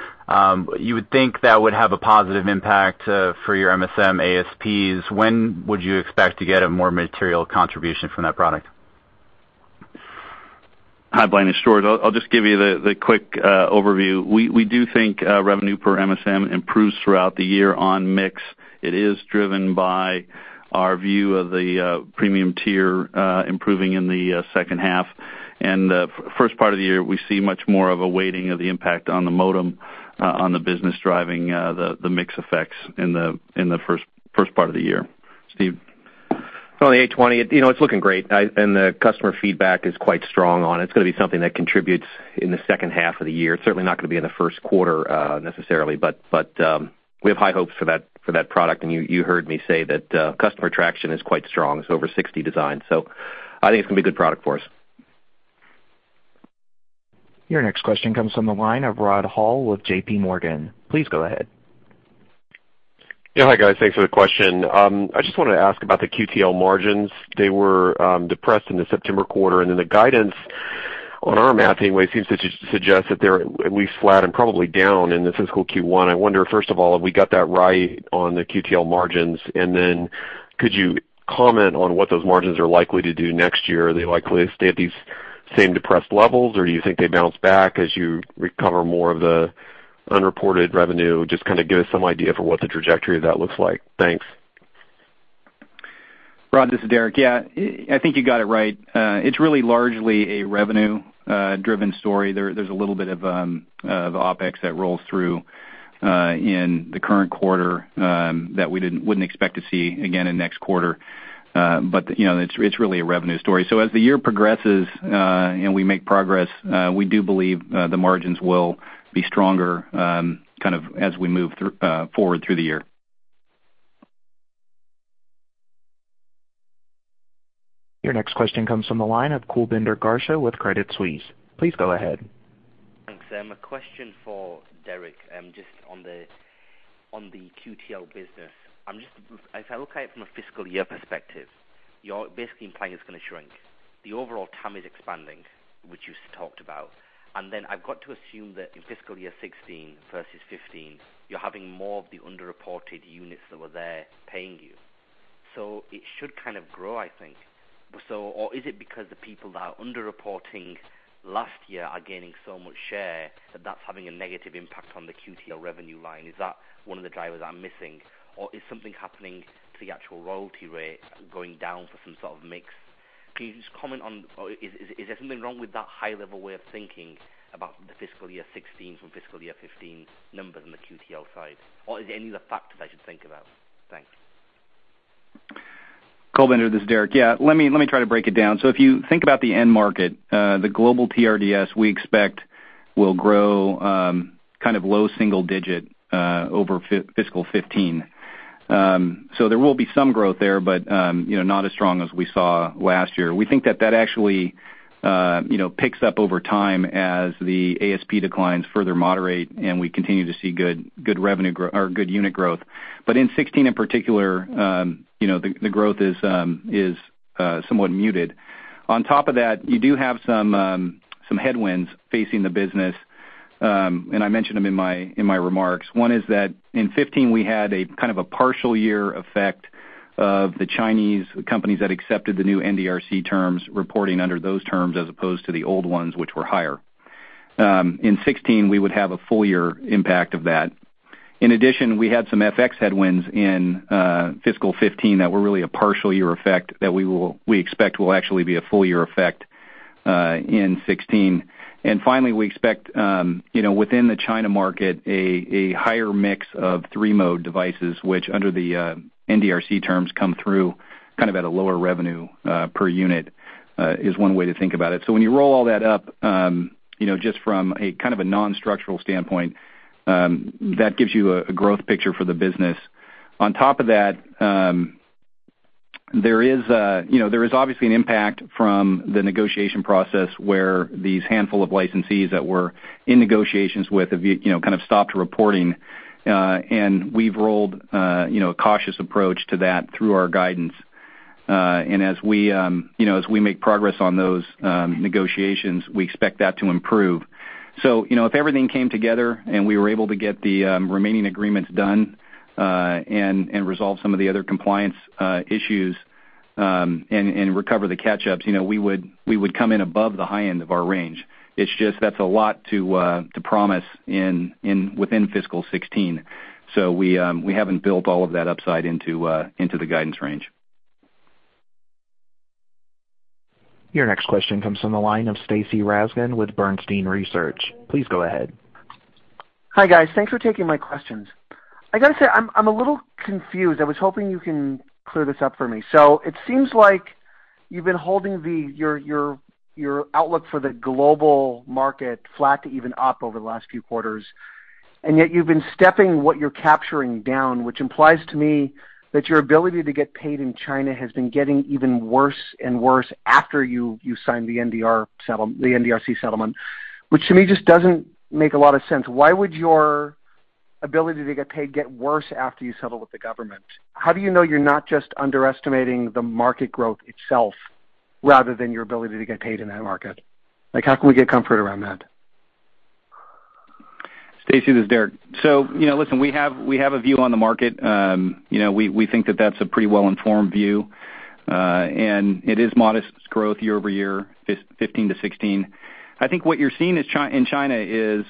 You would think that would have a positive impact for your MSM ASPs. When would you expect to get a more material contribution from that product? Hi, Blayne, it's George. I'll just give you the quick overview. We do think revenue per MSM improves throughout the year on mix. It is driven by our view of the premium tier improving in the second half. The first part of the year, we see much more of a weighting of the impact on the modem on the business driving the mix effects in the first part of the year. Steve? On the 820, it's looking great. The customer feedback is quite strong on. It's going to be something that contributes in the second half of the year. It's certainly not going to be in the first quarter necessarily. We have high hopes for that product. You heard me say that customer traction is quite strong. It's over 60 designs. I think it's going to be a good product for us. Your next question comes from the line of Rod Hall with JPMorgan. Please go ahead. Hi, guys. Thanks for the question. I wanted to ask about the QTL margins. They were depressed in the September quarter. The guidance on our math, anyway, seems to suggest that they're at least flat and probably down in the fiscal Q1. I wonder, first of all, have we got that right on the QTL margins? Could you comment on what those margins are likely to do next year? Are they likely to stay at these same depressed levels, or do you think they bounce back as you recover more of the unreported revenue? Just kind of give us some idea for what the trajectory of that looks like. Thanks. Rod, this is Derek. I think you got it right. It's really largely a revenue-driven story. There's a little bit of OpEx that rolls through in the current quarter that we wouldn't expect to see again in next quarter. It's really a revenue story. As the year progresses and we make progress, we do believe the margins will be stronger kind of as we move forward through the year. Your next question comes from the line of Kulbinder Garcha with Credit Suisse. Please go ahead. Thanks. A question for Derek, just on the QTL business. If I look at it from a fiscal year perspective, you're basically implying it's going to shrink. The overall TAM is expanding, which you talked about. I've got to assume that in fiscal year 2016 versus 2015, you're having more of the under-reported units that were there paying you. It should kind of grow, I think. Is it because the people that are under-reporting last year are gaining so much share that that's having a negative impact on the QTL revenue line? Is that one of the drivers I'm missing? Is something happening to the actual royalty rate going down for some sort of mix? Can you just comment on, is there something wrong with that high-level way of thinking about the fiscal year 2016 from fiscal year 2015 numbers on the QTL side? Is there any other factors I should think about? Thanks. Kulbinder, this is Derek. Yeah. Let me try to break it down. If you think about the end market, the global TRDS, we expect will grow kind of low single-digit, over fiscal 2015. There will be some growth there, but not as strong as we saw last year. We think that that actually picks up over time as the ASP declines further moderate, and we continue to see good unit growth. In 2016 in particular, the growth is somewhat muted. On top of that, you do have some headwinds facing the business, and I mentioned them in my remarks. One is that in 2015, we had a kind of a partial year effect of the Chinese companies that accepted the new NDRC terms, reporting under those terms as opposed to the old ones, which were higher. In 2016, we would have a full year impact of that. Additionally, we had some FX headwinds in fiscal 2015 that were really a partial year effect that we expect will actually be a full year effect, in 2016. Finally, we expect, within the China market, a higher mix of three-mode devices, which under the NDRC terms come through kind of at a lower revenue per unit, is one way to think about it. When you roll all that up, just from a kind of a non-structural standpoint, that gives you a growth picture for the business. On top of that, there is obviously an impact from the negotiation process where these handful of licensees that we're in negotiations with, have kind of stopped reporting, and we've rolled a cautious approach to that through our guidance. As we make progress on those negotiations, we expect that to improve. If everything came together and we were able to get the remaining agreements done, and resolve some of the other compliance issues, and recover the catch-ups, we would come in above the high end of our range. It's just that's a lot to promise within fiscal 2016. We haven't built all of that upside into the guidance range. Your next question comes from the line of Stacy Rasgon with Bernstein Research. Please go ahead. Hi, guys. Thanks for taking my questions. I got to say, I'm a little confused. I was hoping you can clear this up for me. It seems like you've been holding your outlook for the global market flat to even up over the last few quarters, and yet you've been stepping what you're capturing down, which implies to me that your ability to get paid in China has been getting even worse and worse after you signed the NDRC settlement, which to me just doesn't make a lot of sense. Why would your ability to get paid get worse after you settle with the government? How do you know you're not just underestimating the market growth itself rather than your ability to get paid in that market? How can we get comfort around that? Stacy, this is Derek. Listen, we have a view on the market. We think that that's a pretty well-informed view. It is modest growth year-over-year, 2015 to 2016. I think what you're seeing in China is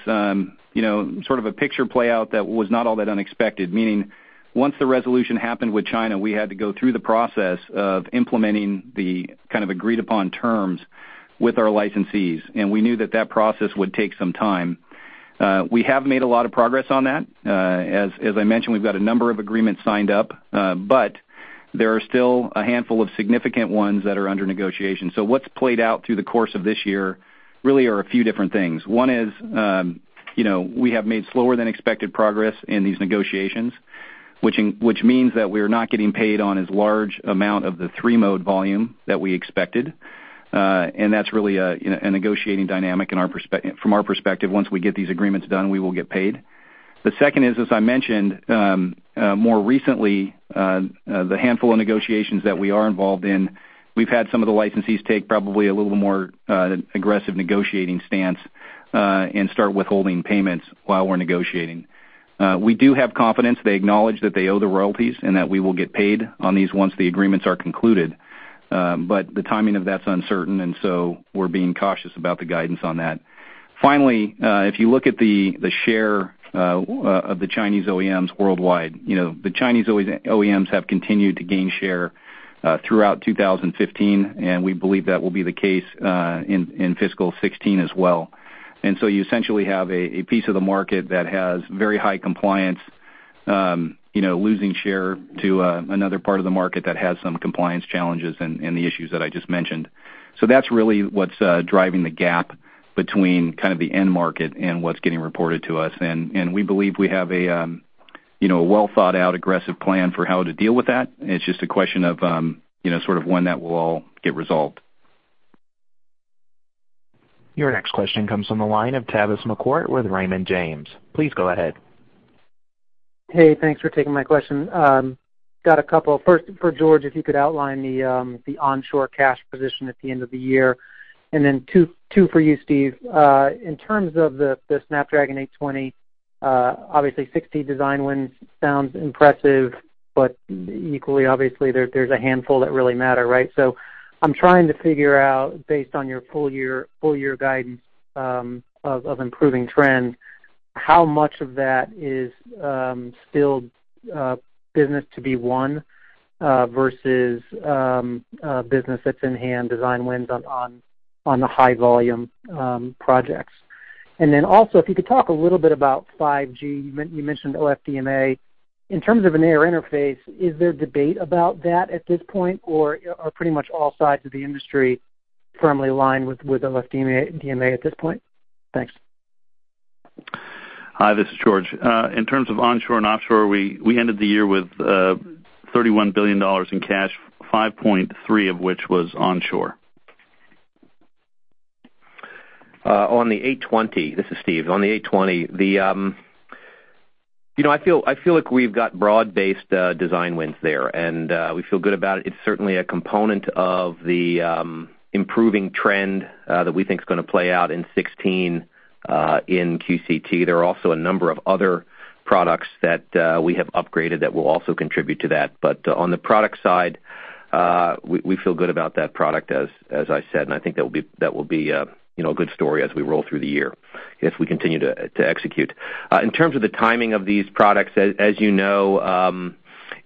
sort of a picture playout that was not all that unexpected, meaning once the resolution happened with China, we had to go through the process of implementing the kind of agreed upon terms with our licensees, we knew that that process would take some time. We have made a lot of progress on that. As I mentioned, we've got a number of agreements signed up. There are still a handful of significant ones that are under negotiation. What's played out through the course of this year really are a few different things. One is, we have made slower than expected progress in these negotiations, which means that we are not getting paid on as large amount of the three-mode volume that we expected. That's really a negotiating dynamic from our perspective. Once we get these agreements done, we will get paid. The second is, as I mentioned, more recently, the handful of negotiations that we are involved in, we've had some of the licensees take probably a little more aggressive negotiating stance, start withholding payments while we're negotiating. We do have confidence they acknowledge that they owe the royalties and that we will get paid on these once the agreements are concluded. The timing of that's uncertain, we're being cautious about the guidance on that. Finally, if you look at the share of the Chinese OEMs worldwide, the Chinese OEMs have continued to gain share throughout 2015, we believe that will be the case in fiscal 2016 as well. You essentially have a piece of the market that has very high compliance, losing share to another part of the market that has some compliance challenges and the issues that I just mentioned. That's really what's driving the gap between kind of the end market and what's getting reported to us. We believe we have a A well-thought-out, aggressive plan for how to deal with that. It's just a question of when that will all get resolved. Your next question comes from the line of Tavis McCourt with Raymond James. Please go ahead. Hey, thanks for taking my question. Got a couple. First, for George, if you could outline the onshore cash position at the end of the year. Then two for you, Steve. In terms of the Snapdragon 820, obviously 60 design wins sounds impressive, but equally, obviously, there's a handful that really matter, right? I'm trying to figure out, based on your full year guidance of improving trends, how much of that is still business to be won versus business that's in-hand design wins on the high volume projects. Then also, if you could talk a little bit about 5G. You mentioned OFDMA. In terms of an air interface, is there debate about that at this point, or are pretty much all sides of the industry firmly aligned with OFDMA at this point? Thanks. Hi, this is George. In terms of onshore and offshore, we ended the year with $31 billion in cash, $5.3 of which was onshore. On the 820, this is Steve. On the 820, I feel like we've got broad-based design wins there. We feel good about it. It's certainly a component of the improving trend that we think is going to play out in 2016 in QCT. There are also a number of other products that we have upgraded that will also contribute to that. On the product side, we feel good about that product, as I said, and I think that will be a good story as we roll through the year, if we continue to execute. In terms of the timing of these products, as you know,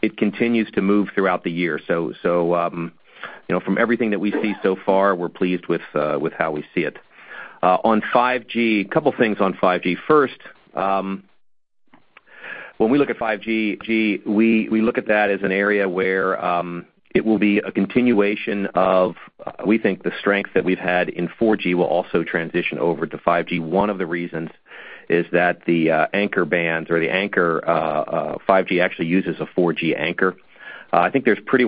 it continues to move throughout the year. From everything that we see so far, we're pleased with how we see it. On 5G, a couple things on 5G. First, when we look at 5G, we look at that as an area where it will be a continuation of, we think the strength that we've had in 4G will also transition over to 5G. One of the reasons is that the anchor bands or the anchor 5G actually uses a 4G anchor. I think there's pretty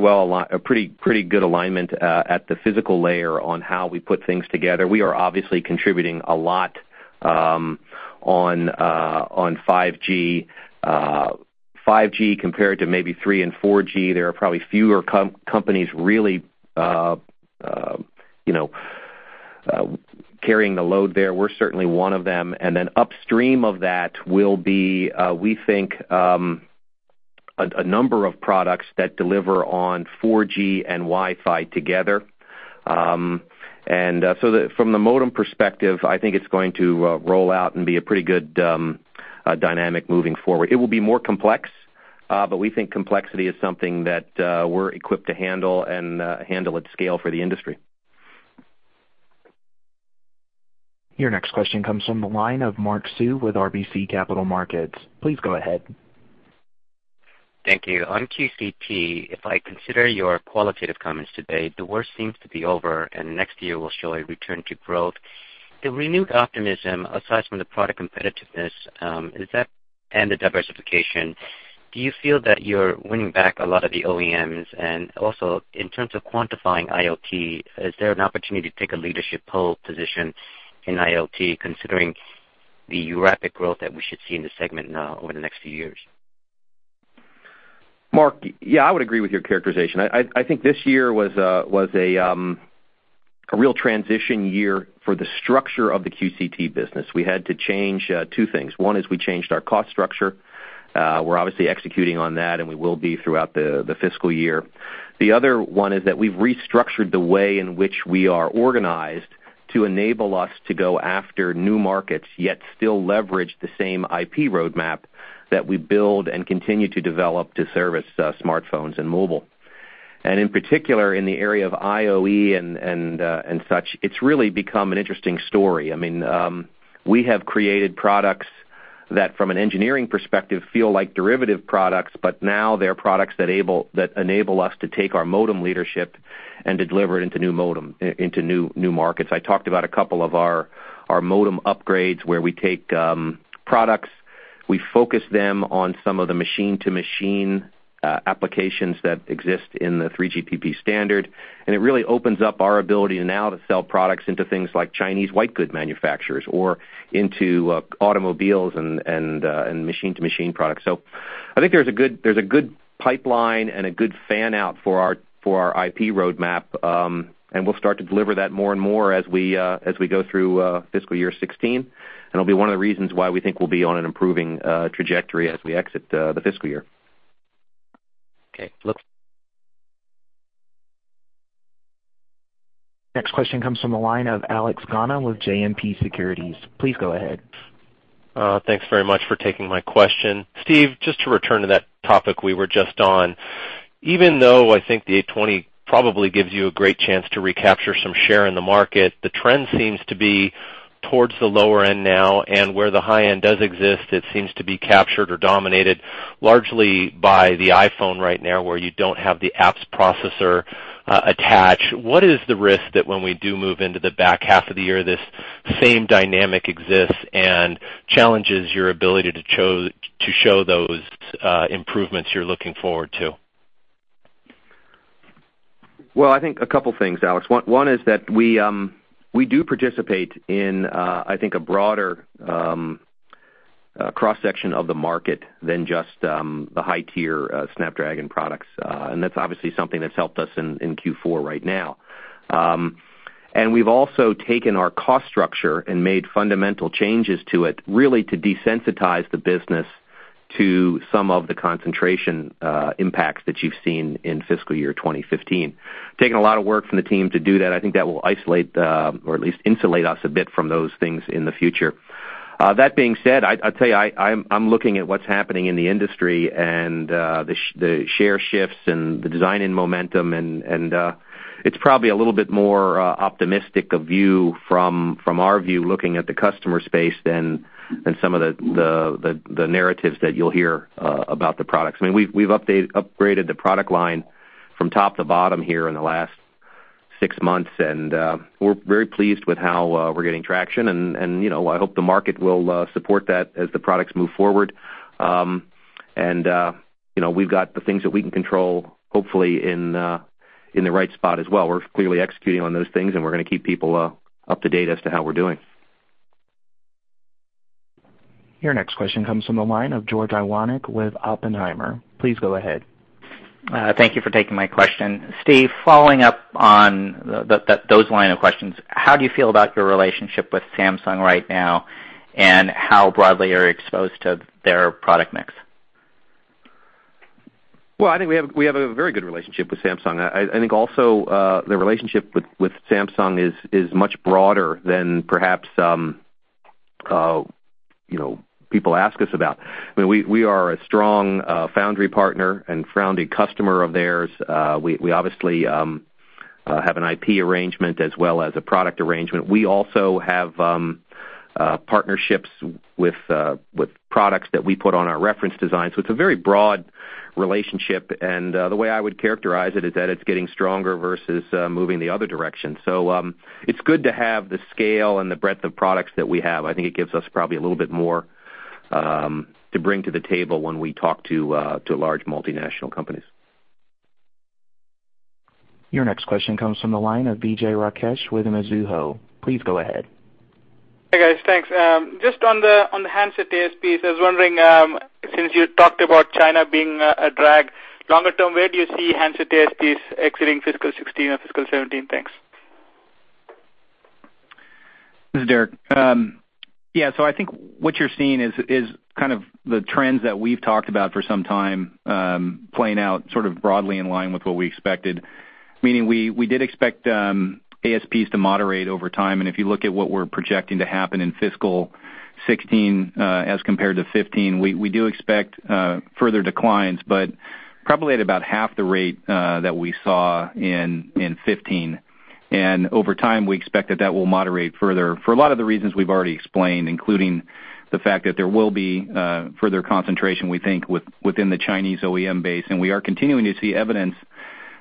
good alignment at the physical layer on how we put things together. We are obviously contributing a lot on 5G. 5G compared to maybe 3G and 4G, there are probably fewer companies really carrying the load there. We're certainly one of them. Upstream of that will be, we think, a number of products that deliver on 4G and Wi-Fi together. From the modem perspective, I think it's going to roll out and be a pretty good dynamic moving forward. It will be more complex, but we think complexity is something that we're equipped to handle and handle at scale for the industry. Your next question comes from the line of Mark Sue with RBC Capital Markets. Please go ahead. Thank you. On QCT, if I consider your qualitative comments today, the worst seems to be over and next year will show a return to growth. The renewed optimism, aside from the product competitiveness and the diversification, do you feel that you're winning back a lot of the OEMs? Also, in terms of quantifying IoT, is there an opportunity to take a leadership pole position in IoT, considering the rapid growth that we should see in the segment now over the next few years? Mark, yeah, I would agree with your characterization. I think this year was a real transition year for the structure of the QCT business. We had to change two things. One is we changed our cost structure. We're obviously executing on that, and we will be throughout the fiscal year. The other one is that we've restructured the way in which we are organized to enable us to go after new markets, yet still leverage the same IP roadmap that we build and continue to develop to service smartphones and mobile. In particular, in the area of IoE and such, it's really become an interesting story. We have created products that, from an engineering perspective, feel like derivative products, but now they're products that enable us to take our modem leadership and deliver it into new markets. I talked about a couple of our modem upgrades where we take products, we focus them on some of the machine-to-machine applications that exist in the 3GPP standard, it really opens up our ability now to sell products into things like Chinese white good manufacturers or into automobiles and machine-to-machine products. I think there's a good pipeline and a good fan-out for our IP roadmap, and we'll start to deliver that more and more as we go through fiscal year 2016. It'll be one of the reasons why we think we'll be on an improving trajectory as we exit the fiscal year. Okay. Next question comes from the line of Alex Gauna with JMP Securities. Please go ahead. Thanks very much for taking my question. Steve, just to return to that topic we were just on. Even though I think the 820 probably gives you a great chance to recapture some share in the market, the trend seems to be towards the lower end now, and where the high end does exist, it seems to be captured or dominated largely by the iPhone right now, where you don't have the apps processor attached. What is the risk that when we do move into the back half of the year, this same dynamic exists and challenges your ability to show those improvements you're looking forward to? Well, I think a couple things, Alex. One is that we do participate in, I think, a broader cross-section of the market than just the high-tier Snapdragon products. That's obviously something that's helped us in Q4 right now. We've also taken our cost structure and made fundamental changes to it, really to desensitize the business to some of the concentration impacts that you've seen in fiscal year 2015. Taking a lot of work from the team to do that, I think that will isolate or at least insulate us a bit from those things in the future. That being said, I'd say I'm looking at what's happening in the industry and the share shifts and the design-in momentum, and it's probably a little bit more optimistic a view from our view, looking at the customer space than some of the narratives that you'll hear about the products. We've upgraded the product line from top to bottom here in the last six months, and we're very pleased with how we're getting traction, and I hope the market will support that as the products move forward. We've got the things that we can control, hopefully in the right spot as well. We're clearly executing on those things, and we're going to keep people up to date as to how we're doing. Your next question comes from the line of George Iwanyc with Oppenheimer. Please go ahead. Thank you for taking my question. Steve, following up on those line of questions, how do you feel about your relationship with Samsung right now, and how broadly are you exposed to their product mix? Well, I think we have a very good relationship with Samsung. I think also, the relationship with Samsung is much broader than perhaps people ask us about. We are a strong foundry partner and foundry customer of theirs. We obviously have an IP arrangement as well as a product arrangement. We also have partnerships with products that we put on our reference design. It's a very broad relationship, and the way I would characterize it is that it's getting stronger versus moving the other direction. It's good to have the scale and the breadth of products that we have. I think it gives us probably a little bit more to bring to the table when we talk to large multinational companies. Your next question comes from the line of Vijay Rakesh with Mizuho. Please go ahead. Hey, guys. Thanks. Just on the handset ASPs, I was wondering, since you talked about China being a drag, longer term, where do you see handset ASPs exiting FY 2016 and FY 2017? Thanks. This is Derek. Yeah. I think what you're seeing is kind of the trends that we've talked about for some time playing out sort of broadly in line with what we expected, meaning we did expect ASPs to moderate over time, and if you look at what we're projecting to happen in FY 2016 as compared to 2015, we do expect further declines, but probably at about half the rate that we saw in 2015. Over time, we expect that that will moderate further for a lot of the reasons we've already explained, including the fact that there will be further concentration, we think, within the Chinese OEM base. We are continuing to see evidence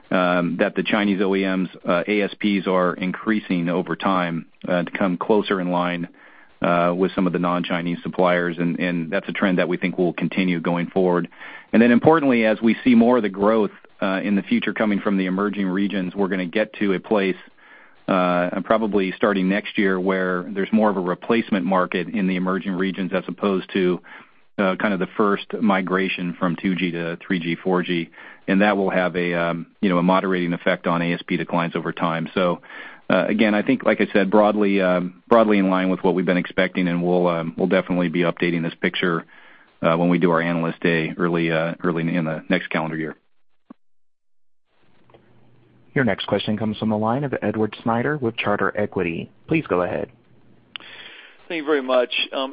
that the Chinese OEMs' ASPs are increasing over time to come closer in line with some of the non-Chinese suppliers, and that's a trend that we think will continue going forward. Importantly, as we see more of the growth in the future coming from the emerging regions, we're going to get to a place, probably starting next year, where there's more of a replacement market in the emerging regions as opposed to kind of the first migration from 2G to 3G, 4G. That will have a moderating effect on ASP declines over time. Again, I think, like I said, broadly in line with what we've been expecting, and we'll definitely be updating this picture when we do our analyst day early in the next calendar year. Your next question comes from the line of Edward Snyder with Charter Equity. Please go ahead. Thank you very much.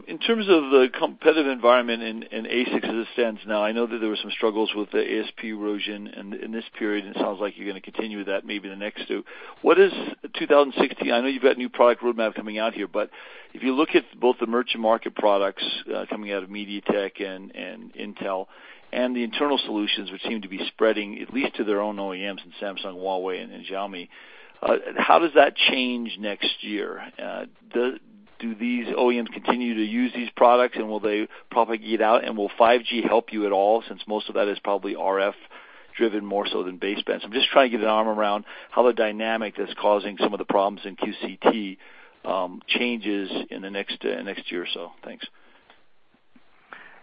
In terms of the competitive environment in ASICs as it stands now, I know that there were some struggles with the ASP erosion in this period, and it sounds like you're going to continue that maybe the next two. What is 2016? I know you've got a new product roadmap coming out here, but if you look at both the merchant market products coming out of MediaTek and Intel and the internal solutions, which seem to be spreading at least to their own OEMs in Samsung, Huawei, and Xiaomi, how does that change next year? Do these OEMs continue to use these products, and will they propagate out, and will 5G help you at all, since most of that is probably RF driven more so than baseband? I'm just trying to get an arm around how the dynamic that's causing some of the problems in QCT changes in the next year or so. Thanks.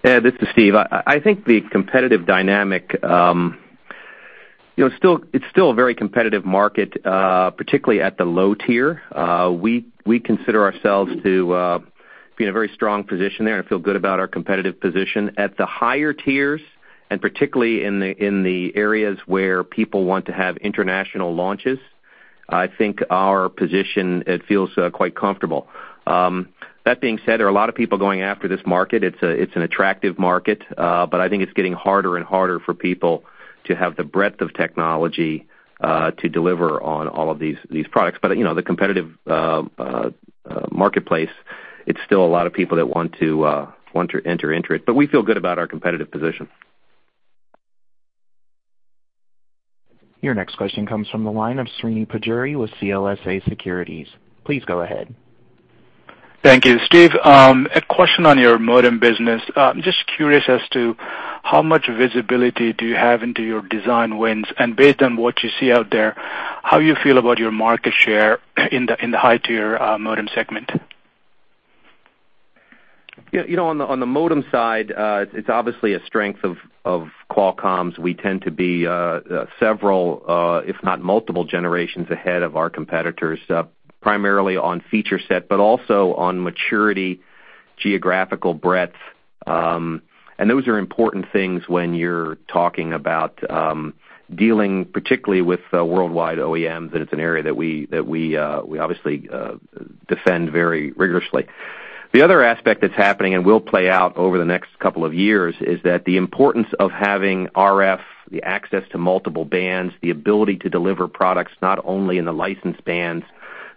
This is Steve. I think the competitive dynamic, it's still a very competitive market, particularly at the low tier. We consider ourselves to be in a very strong position there and feel good about our competitive position. At the higher tiers, and particularly in the areas where people want to have international launches, I think our position, it feels quite comfortable. That being said, there are a lot of people going after this market. It's an attractive market, but I think it's getting harder and harder for people to have the breadth of technology to deliver on all of these products. The competitive marketplace, it's still a lot of people that want to enter into it, but we feel good about our competitive position. Your next question comes from the line of Srini Pajjuri with CLSA. Please go ahead. Thank you. Steve, a question on your modem business. I'm just curious as to how much visibility do you have into your design wins? Based on what you see out there, how you feel about your market share in the high-tier modem segment? On the modem side, it's obviously a strength of Qualcomm's. We tend to be several, if not multiple generations ahead of our competitors, primarily on feature set, but also on maturity, geographical breadth. Those are important things when you're talking about dealing particularly with worldwide OEMs, and it's an area that we obviously defend very rigorously. The other aspect that's happening and will play out over the next couple of years, is that the importance of having RF, the access to multiple bands, the ability to deliver products not only in the licensed bands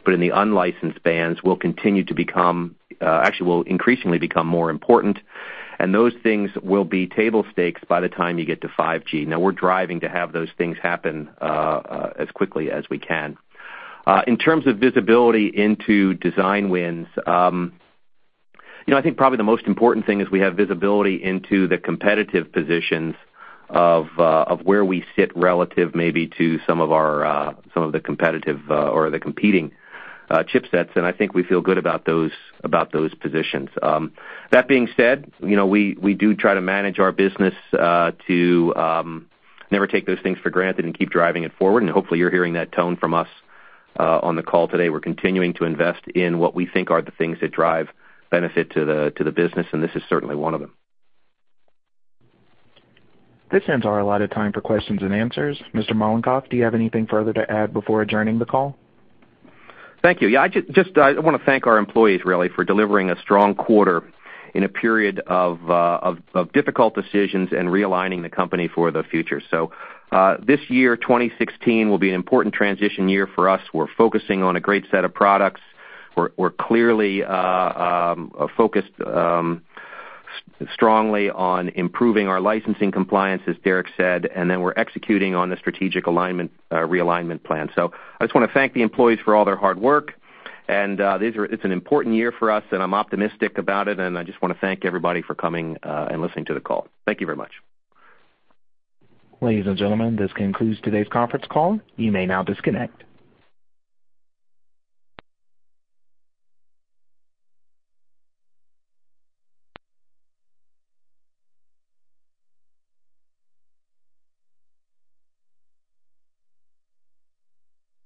but in the unlicensed bands will increasingly become more important, and those things will be table stakes by the time you get to 5G. Now we're driving to have those things happen as quickly as we can. In terms of visibility into design wins, I think probably the most important thing is we have visibility into the competitive positions of where we sit relative maybe to some of the competing chipsets, and I think we feel good about those positions. That being said, we do try to manage our business to never take those things for granted and keep driving it forward, and hopefully you're hearing that tone from us on the call today. We're continuing to invest in what we think are the things that drive benefit to the business, and this is certainly one of them. This ends our allotted time for questions and answers. Mr. Mollenkopf, do you have anything further to add before adjourning the call? Thank you. I want to thank our employees really for delivering a strong quarter in a period of difficult decisions and realigning the company for the future. This year, 2016, will be an important transition year for us. We're focusing on a great set of products. We're clearly focused strongly on improving our licensing compliance, as Derek said. We're executing on the strategic realignment plan. I just want to thank the employees for all their hard work, and it's an important year for us, and I'm optimistic about it, and I just want to thank everybody for coming and listening to the call. Thank you very much. Ladies and gentlemen, this concludes today's conference call. You may now disconnect.